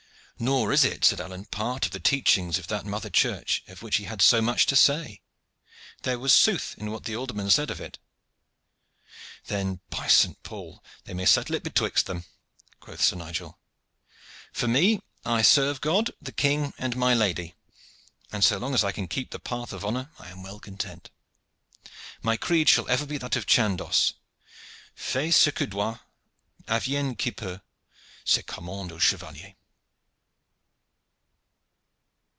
"Nor is it," said Alleyne, "part of the teachings of that mother Church of which he had so much to say. There was sooth in what the alderman said of it." "Then, by St. Paul! they may settle it betwixt them," quoth Sir Nigel. "For me, I serve God, the king and my lady; and so long as I can keep the path of honor I am well content. My creed shall ever be that of Chandos: "Fais ce que dois adviegne que peut, C'est commande au chevalier."